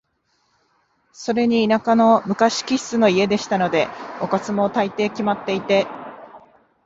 それに田舎の昔気質の家でしたので、おかずも、大抵決まっていて、